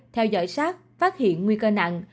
theo dõi sát phát hiện nguy cơ nặng